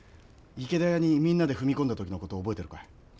池田屋にみんなで踏み込んだ時の事覚えてるか？